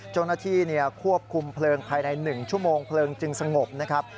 เจ้าหน้าที่ควบคุมเพลิงภายใน๑ชั่วโมงเพลิงจึงสงบนะครับ